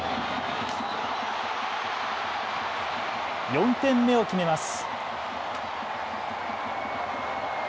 ４点目を決めます。